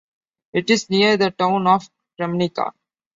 It is near the town of Kremnica.